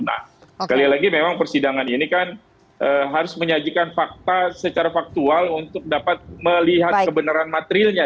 nah sekali lagi memang persidangan ini kan harus menyajikan fakta secara faktual untuk dapat melihat kebenaran materialnya